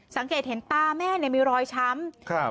สังเกตเห็นตาแม่มีรอยช้ำ